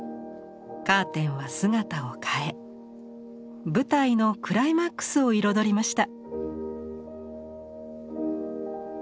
カーテンは姿を変え舞台のクライマックスを彩りました。